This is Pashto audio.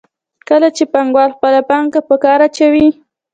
کله چې پانګوال خپله پانګه په کار اچوي